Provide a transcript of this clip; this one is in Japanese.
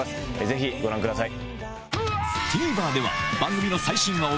ぜひご覧ください。